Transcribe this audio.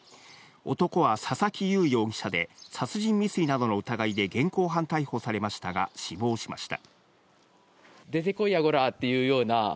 男は佐々木祐容疑者で殺人未遂などの疑いで現行犯逮捕されましたが死亡しました。